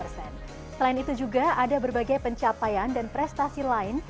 selain itu juga ada berbagai pencapaian dan prestasi lain